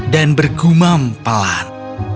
dan bergumam pelan